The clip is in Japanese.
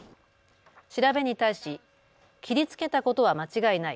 調べに対し、切りつけたことは間違いない。